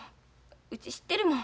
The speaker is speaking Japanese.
うち知ってるもん。